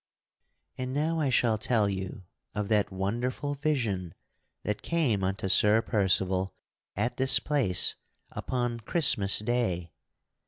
And now I shall tell you of that wonderful vision that came unto Sir Percival at this place upon Christmas day.